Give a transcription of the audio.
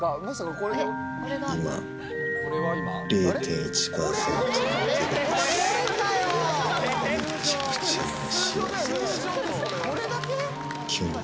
これだけ？